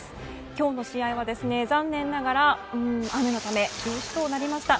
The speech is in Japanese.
今日の試合は残念ながら雨のため中止となりました。